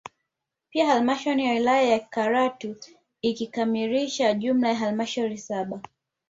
Pia halmashauri ya wilaya ya Karatu ikikamilisha jumla ya halmashauri saba